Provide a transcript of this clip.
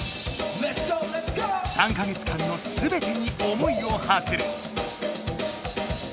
３か月間のすべてに思いをはせる。